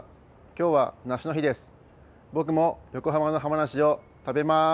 今日は梨の日です。